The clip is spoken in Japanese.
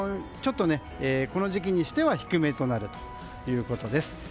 この時期としては低めとなるということです。